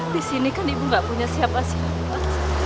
di sini kan ibu nggak punya siapa siapa